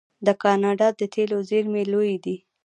د کاناډا د تیلو زیرمې لویې دي.